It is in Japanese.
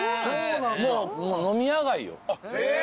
もう飲み屋街よ。